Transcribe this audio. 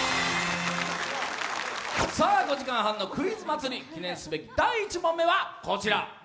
５時間半のクイズ祭り記念すべき第１問目はこちら。